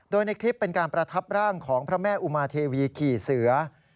โดยในคลิปเป็นการประทับร่างของพระแม่อุมาเทวีขี่เสือ